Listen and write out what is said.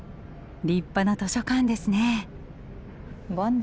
立派な図書館ですね。